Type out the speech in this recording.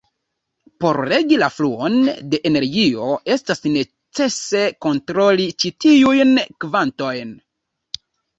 Por regi la fluon de energio estas necese kontroli ĉi tiujn kvantojn.